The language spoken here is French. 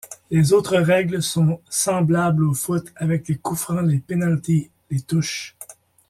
Les autres règles sont semblables au foot avec les coup-francs, les pénalty, les touches.